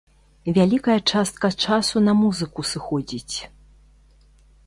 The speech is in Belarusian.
Вялікая частка часу на музыку сыходзіць.